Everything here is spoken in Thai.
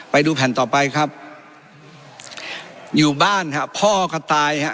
ไปดูแผ่นต่อไปครับอยู่บ้านครับพ่อก็ตายฮะ